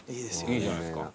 いいじゃないですか。